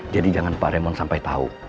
jadi jangan pak raymond sampai tahu